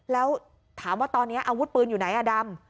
แล้วถามว่าตอนนี้อาวุธปืนอยู่ไหนอ่ะดำ